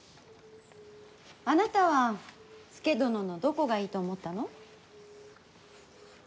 あなたは佐殿の、どこがいいと思ったの。